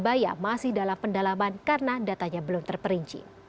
tim gugus tugasnya masih dalam pendalaman karena datanya belum terperinci